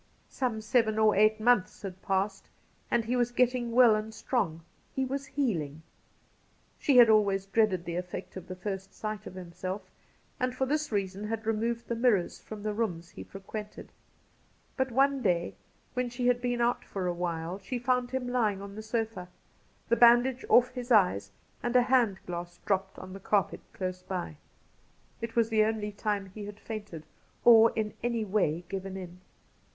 Some seven or eight months had passed, and he was getting well and strong — he was healing. She had always dreaded the effect of the first sight of himself, and for this reason had removed the mirrors from the rooms he frequented ; but one day, when she had been out for a while, she found him lying on the sofa, the bandage off his eyes, and a hand glass dropped on the carpet close by. It was the only time he had fainted or in any way given in.